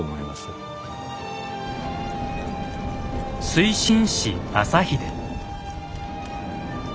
水心子正秀。